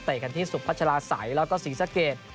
กันที่สุพัชลาศัยแล้วก็ศรีสะเกด